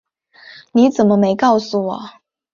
你怎么没告诉我